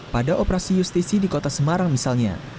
pada operasi justisi di kota semarang misalnya